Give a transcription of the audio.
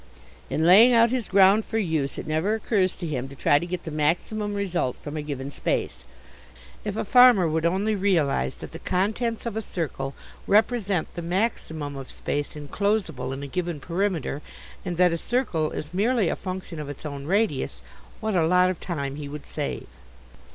In laying out his ground for use, it never occurs to him to try to get the maximum result from a given space. If a farmer would only realize that the contents of a circle represent the maximum of space enclosable in a given perimeter, and that a circle is merely a function of its own radius, what a lot of time he would save.